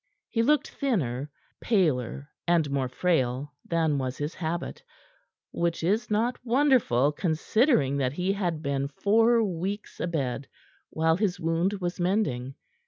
He looked thinner, paler and more frail than was his habit, which is not wonderful, considering that he had been four weeks abed while his wound was mending.